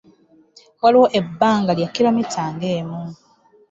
Waliwo ebbanga lya kiromiita nga emu.